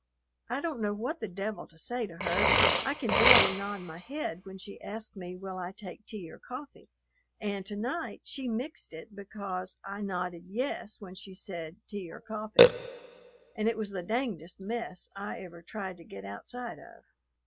"I don't know what the devil to say to her; I can barely nod my head when she asks me will I take tea or coffee; and to night she mixed it because I nodded yes when she said, 'tea or coffee,' and it was the dangdest mess I ever tried to get outside of."